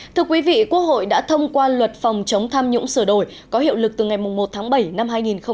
thưa quý vị quốc hội đã thông qua luật phòng chống tham nhũng sửa đổi có hiệu lực từ ngày một tháng bảy năm hai nghìn hai mươi